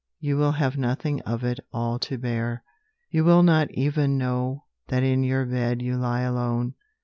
You will have nothing of it all to bear: You will not even know that in your bed You lie alone.